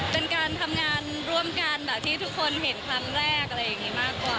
เป็นการทำงานร่วมกันที่ทุกคนเห็นครั้งแรกมากกว่า